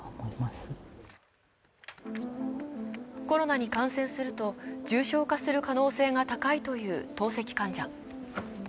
コロナに感染すると重症化する可能性が高いという透析患者。